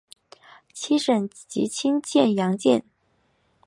七省级轻巡洋舰。